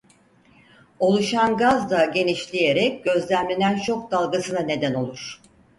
Oluşan gaz da genişleyerek gözlemlenen şok dalgasına neden olur.